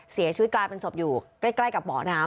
เสียชีวิตกลายเป็นศพอยู่ใกล้กับเบาะน้ำ